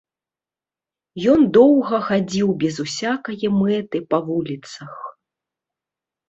Ён доўга хадзіў без усякае мэты па вуліцах.